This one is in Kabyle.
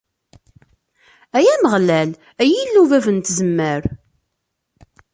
Ay Ameɣlal, ay Illu bab n tzemmar!